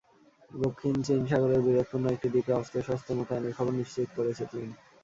দক্ষিণ চীন সাগরের বিরোধপূর্ণ একটি দ্বীপে অস্ত্রশস্ত্র মোতায়েনের খবর নিশ্চিত করেছে চীন।